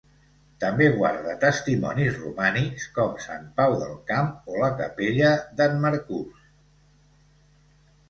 També guarda testimonis romànics com Sant Pau del Camp o la capella d'en Marcús.